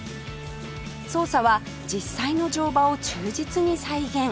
操作は実際の乗馬を忠実に再現